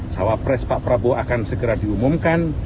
cawa pres pak prabowo akan segera diumumkan